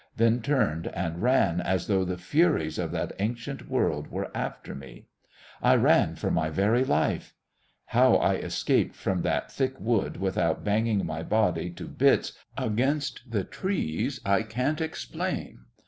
then turned and ran as though the Furies of that ancient world were after me. I ran for my very life. How I escaped from that thick wood without banging my body to bits against the trees I can't explain.